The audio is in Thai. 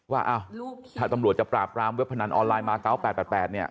ว่าถ้าตำรวจจะปราบรามเว็บพนันออนไลน์มา๙๘๘เนี่ย